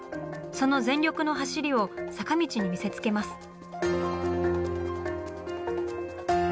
その全力の走りを坂道に見せつけます。